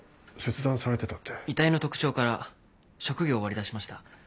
遺体の特徴から職業を割り出しました。